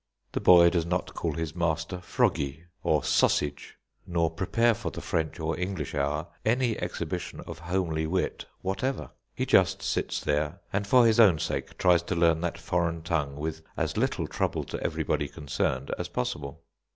The boy does not call his master "froggy," or "sausage," nor prepare for the French or English hour any exhibition of homely wit whatever. He just sits there, and for his own sake tries to learn that foreign tongue with as little trouble to everybody concerned as possible.